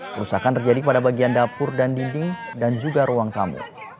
kerusakan terjadi pada bagian dapur dan dinding dan juga ruang tamu